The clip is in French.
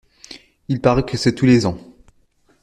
Il parait que c’est tous les ans.